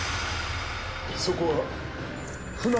そこは。